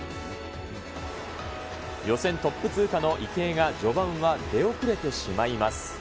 予選トップ通過の池江が序盤は出遅れてしまいます。